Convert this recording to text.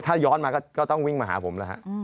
ถ้าย้อนมาก็ต้องวิ่งมาหาผมแล้วฮะ